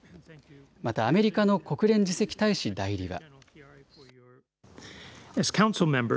またアメリカの国連次席大使代理は。